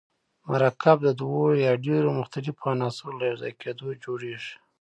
مرکب د دوه یا ډیرو مختلفو عناصرو له یوځای کیدو جوړیږي.